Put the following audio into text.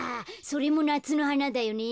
それもなつのはなだよね。